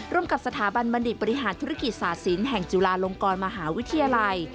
ร่วมกับสถาบันบัณฑิตบริหารธุรกิจศาสินแห่งจุฬาลงกรมหาวิทยาลัย